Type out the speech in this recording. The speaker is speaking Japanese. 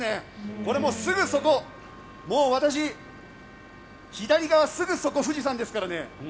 これすぐそこ、もう私左側すぐそこ富士山ですからね。